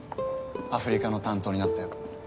アフリカの担当になったよ。